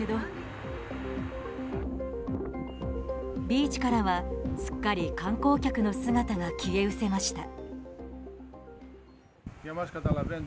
ビーチからはすっかり観光客の姿が消えうせました。